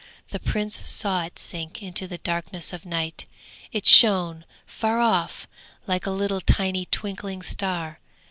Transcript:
The Prince saw it sink into the darkness of night; it shone far off like a little tiny twinkling star.